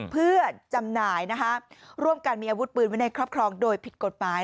เพื่อจำหน่ายร่วมกันมีอาวุธปืนไว้ในครอบครองโดยผิดกฎหมาย